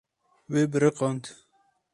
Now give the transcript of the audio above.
Wê biriqand.